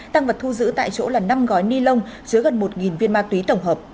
tăng vật thu giữ tại chỗ là năm gói ni lông chứa gần một viên ma túy tổng hợp